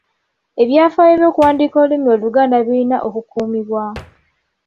Ebyafaayo by’okuwandiika olulimi Oluganda birina okukuumibwa.